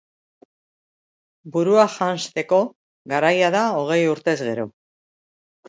Burua janzteko garaia da hogei urtez gero